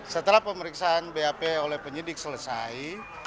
setelah pemeriksaan bap oleh penyidik selesai